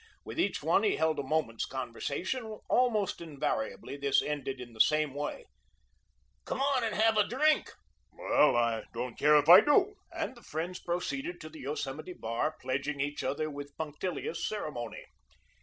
With each one he held a moment's conversation; almost invariably this ended in the same way: "Come on 'n have a drink." "Well, I don't care if I do." And the friends proceeded to the Yosemite bar, pledging each other with punctilious ceremony.